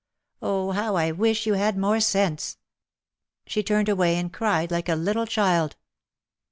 Oh, how I wish you had more sense!" She turned away and cried like a little child.